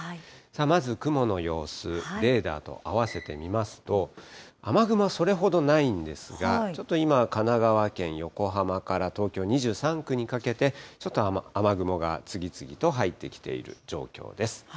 まず雲の様子、レーダーとあわせて見ますと、雨雲はそれほどないんですが、ちょっと今、神奈川県横浜から東京２３区にかけて、ちょっと雨雲が次々と入ってきている状況です。